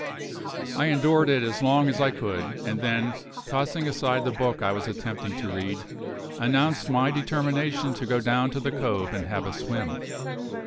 I endured it as long as I could, and then, tossing aside the book I was attempting to read, announced my determination to go down to the cove and have a swim.